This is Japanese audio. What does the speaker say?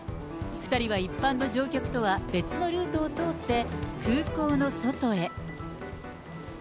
２人は一般の乗客とは別のルートを通って、空港の外へ。